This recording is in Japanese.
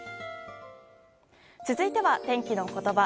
続いては天気のことば。